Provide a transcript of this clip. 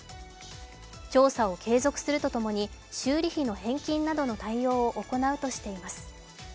調査を継続するとともに修理費の返金などの対応を行うとしています。